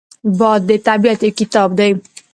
باد د طبیعت یو کتاب دی